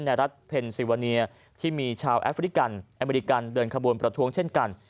รัฐเพนซิวาเนียที่มีชาวแอฟริกันอเมริกันเดินขบวนประท้วงเช่นกัน